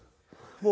もう！